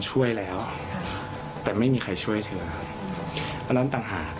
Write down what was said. ช่วยแล้วแต่ไม่มีใครช่วยเธอครับอันนั้นต่างหาก